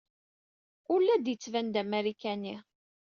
Ur la d-yettban d Amarikani.